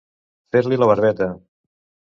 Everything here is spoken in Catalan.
Fer-li la barbeta.